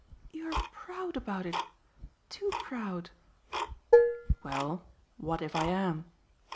"You're proud about it too proud!" "Well, what if I am?"